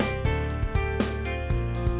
aduh aduh aduh aduh